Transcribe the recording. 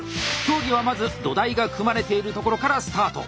競技はまず土台が組まれているところからスタート。